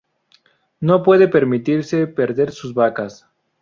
No puede permitirse perder sus vacas.